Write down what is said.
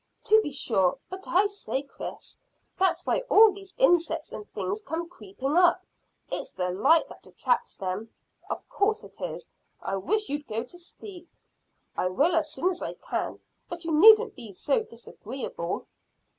"To be sure. But I say, Chris, that's why all these insects and things come creeping up. It's the light that attracts them." "Of course it is. I wish you'd go to sleep." "I will as soon as I can, but you needn't be so disagreeable."